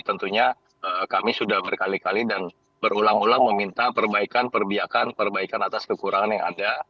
tentunya kami sudah berkali kali dan berulang ulang meminta perbaikan perbiakan perbaikan atas kekurangan yang ada